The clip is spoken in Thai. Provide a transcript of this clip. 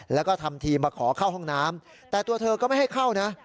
แล้วก็ทำทีมาขอเข้าห้องน้ำแต่ตัวเธอก็ไม่ให้เข้านะ